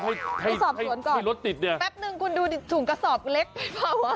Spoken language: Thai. แป๊บหนึ่งคุณดูสูงกระสอบเล็กแค่เผาอะ